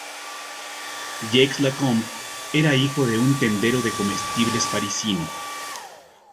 Jacques Lacombe era hijo de un tendero de comestibles parisino.